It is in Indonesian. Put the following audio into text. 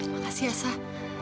makasih ya sah